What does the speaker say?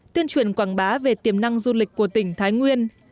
tuyên truyền quảng bá về tiềm năng du lịch của tỉnh thái nguyên